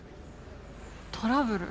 トラブル？